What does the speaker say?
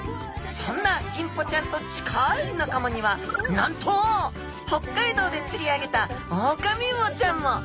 そんなギンポちゃんと近い仲間にはなんと北海道で釣り上げたオオカミウオちゃんも！